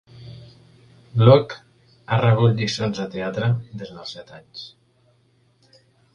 Luck ha rebut lliçons de teatre des dels set anys.